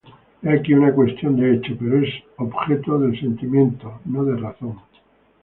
He aquí una cuestión de hecho: pero es objeto del sentimiento, no de razón".